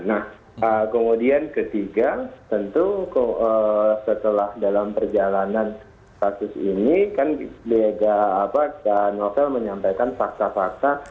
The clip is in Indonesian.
nah kemudian ketiga tentu setelah dalam perjalanan kasus ini kan novel menyampaikan fakta fakta